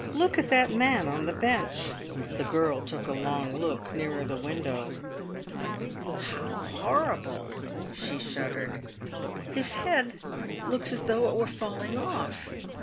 Look at that man on the bench!" The girl took a long look nearer the window. "How horrible!" she shuddered. "His head looks as though it were falling off!